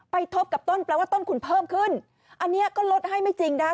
ทบกับต้นแปลว่าต้นคุณเพิ่มขึ้นอันนี้ก็ลดให้ไม่จริงนะคะ